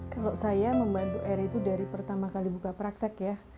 kalau saya membantu eri itu dari pertama kali buka praktek ya